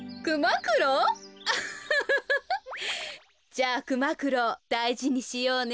じゃあくまくろうだいじにしようね。